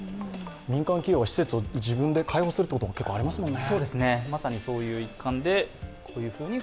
民間企業が施設を自分で開放することも結構ありますもんね。